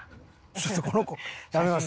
ちょっとこの子やめます。